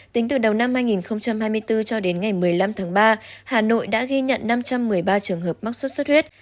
tính từ đầu năm hai nghìn hai mươi bốn cho đến ngày một mươi năm tháng ba hà nội đã ghi nhận năm trăm một mươi ba trường hợp mắc sốt xuất huyết